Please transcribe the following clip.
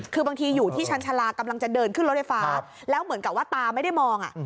คือบางทีอยู่ที่ชันชาลากำลังจะเดินขึ้นรถไฟฟ้าแล้วเหมือนกับว่าตาไม่ได้มอง